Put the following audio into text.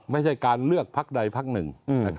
ไม่ใช่การเลือกพักใดพักหนึ่ง